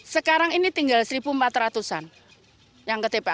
sekarang ini tinggal satu empat ratus an yang ke tpa